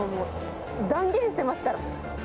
断言してますから。